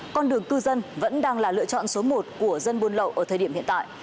con đường cư dân vẫn đang là lựa chọn số một của dân buôn lậu ở thời điểm hiện tại